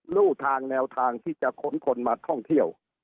รู้ทางแนวทางที่จะขนคนมาท่องเที่ยว